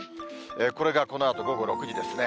これが、このあと午後６時ですね。